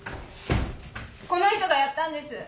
この人がやったんです。